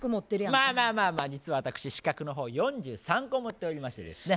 まあまあまあまあ実は私資格の方４３個持っておりましてですね